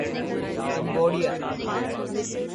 Cambodia